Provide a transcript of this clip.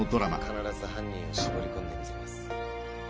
必ず犯人を絞り込んでみせます。